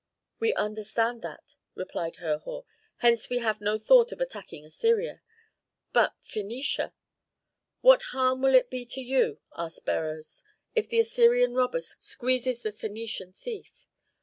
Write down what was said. "We understand that," replied Herhor; "hence we have no thought of attacking Assyria. But Phœnicia " "What harm will it be to you," asked Beroes, "if the Assyrian robber squeezes the Phœnician thief?